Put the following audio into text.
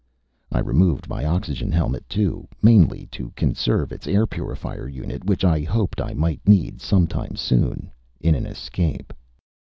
I removed my oxygen helmet, too, mainly to conserve its air purifier unit, which I hoped I might need sometime soon in an escape.